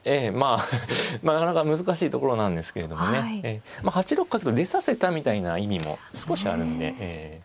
なかなか難しいところなんですけれどもね８六角と出させたみたいな意味も少しあるんで。